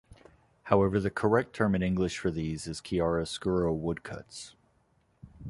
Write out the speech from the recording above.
However, the correct term in English for these is "chiaroscuro woodcuts".